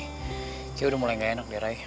kayaknya udah mulai gak enak deh raih